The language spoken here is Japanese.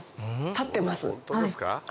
立ってます。